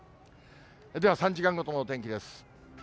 では、３時間ごとのお天気です。